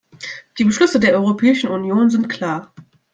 Die Beschlüsse der Europäischen Union sind klar.